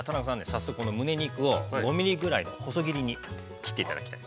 早速このむね肉を５ミリぐらいの細切りに切っていただきたいと。